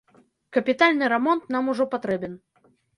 Капітальны рамонт нам ужо патрэбен.